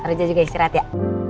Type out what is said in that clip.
pak rija juga istirahat ya